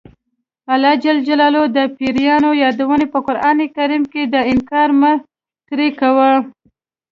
الله ج د پیریانو یادونه په قران کې کړې ده انکار مه ترې کوئ.